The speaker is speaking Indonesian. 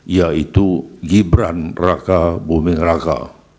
yaitu gibran raka buming raka